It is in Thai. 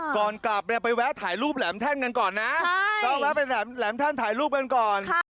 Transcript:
ต้องไปแวะถ่ายรูปแหลมแท่งกันก่อนนะต้องแวะไปแหลมแท่งถ่ายรูปกันก่อน